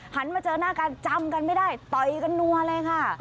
มาเจอหน้ากันจำกันไม่ได้ต่อยกันนัวเลยค่ะ